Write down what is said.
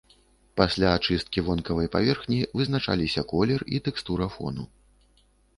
Пасля ачысткі вонкавай паверхні вызначаліся колер і тэкстура фону.